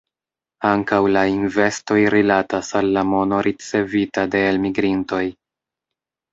Ankaŭ la investoj rilatas al la mono ricevita de elmigrintoj.